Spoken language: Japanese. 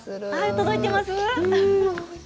届いていますか？